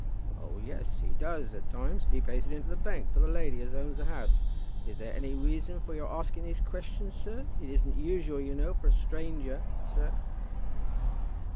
"Well, yes; he does, at times. He pays it into the bank for the lady as owns the house. Is there any reason for your asking these questions, sir? It isn't usual, you know, for a stranger, sir."